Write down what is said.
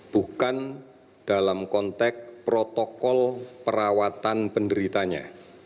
bukan dalam konteks protokol perawatan penderitanya